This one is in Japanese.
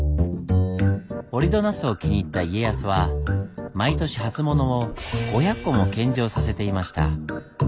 折戸ナスを気に入った家康は毎年初物を５００個も献上させていました。